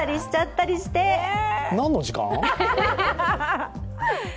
何の時間？